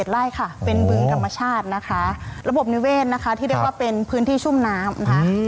๓๘๗๑ไร่ค่ะเป็นภูมิกรัมชาตินะคะระบบนิเวณนะคะที่เรียกว่าเป็นพื้นที่ชุ่มน้ำ